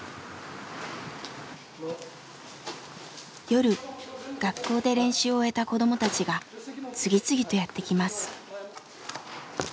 夜学校で練習を終えた子供たちが次々とやって来ます。